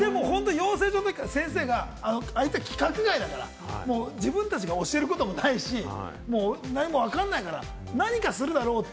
養成所で先生があいつは規格外だから自分たちが教えることもないし、わかんないから何かするだろうって。